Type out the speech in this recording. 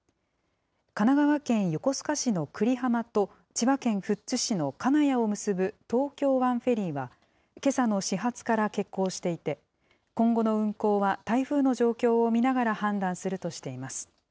神奈川県横須賀市の久里浜と、千葉県富津市の金谷を結ぶ東京湾フェリーは、けさの始発から欠航していて、今後の運航は台風の状況を見ながら判断するとしています。